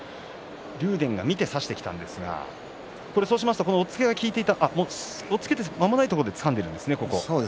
竜電は見て差してきたんですが押っつけてまもないところでつかんでいるんですね。